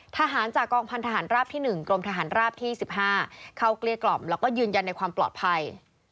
ทหารจากกองพันธหารราบที่๑กรมทหารราบที่๑๕เข้าเกลี้ยกล่อมแล้วก็ยืนยันในความปลอดภัย